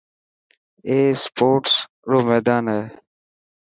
اي اسپورٽس رو ميدان هي.